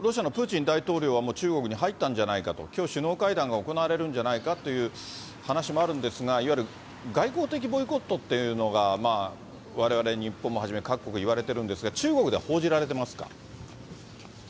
ロシアのプーチン大統領はもう中国に入ったんじゃないかと、きょう、首脳会談が行われるんじゃないかという話もあるんですが、いわゆる外交的ボイコットっていうのが、われわれ日本もはじめ、各国いわれてるんですが、中国では報じられてますか？